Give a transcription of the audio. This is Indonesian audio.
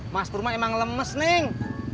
mas pur emang lemes neng